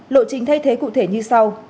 lộ trình thay thế cụ thể như sau